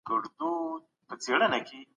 د کوچني مابينځ کي مي خپلي خونی وکتلې.